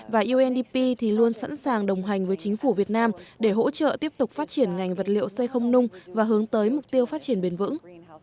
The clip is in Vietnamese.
và undp thì luôn sẵn sàng đồng hành với chính phủ việt nam để hỗ trợ tiếp tục phát triển ngành vật liệu xây không nung và hướng tới mục tiêu phát triển bền vững